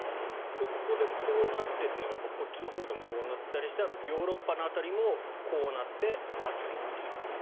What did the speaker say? ここでこうなっているのがこっちのほうでもこうなったりしてヨーロッパの辺りもこうなって暑いという。